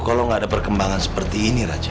kalau nggak ada perkembangan seperti ini raja